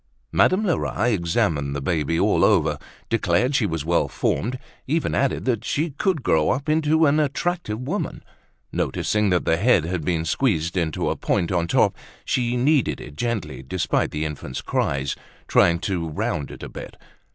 Madame Lerat examined the baby all over, declared she was well formed, even added that she could grow up into an attractive woman. Noticing that the head had been squeezed into a point on top, she kneaded it gently despite the infant's cries, trying to round it a bit.